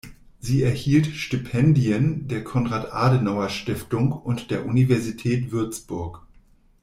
Sie erhielt Stipendien der Konrad-Adenauer-Stiftung und der Universität Würzburg.